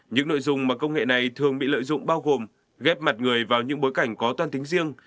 những nội dung mà công nghệ này thường bị lợi dụng bao gồm ghép mặt người vào những bối cảnh có toan tính riêng